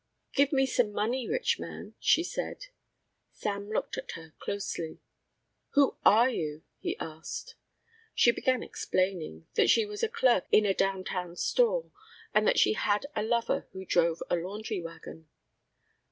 "Give me some money, rich man," she said. Sam looked at her closely. "Who are you?" he asked. She began explaining that she was a clerk in a downtown store and that she had a lover who drove a laundry wagon.